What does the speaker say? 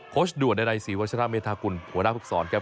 โคชด่วนในรายสีวัชฌาเมียทากุลหัวหน้าฝึกซ้อนครับ